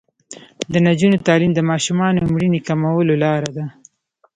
د نجونو تعلیم د ماشومانو مړینې کمولو لاره ده.